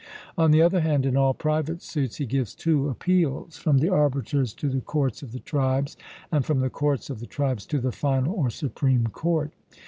On the other hand, in all private suits he gives two appeals, from the arbiters to the courts of the tribes, and from the courts of the tribes to the final or supreme court.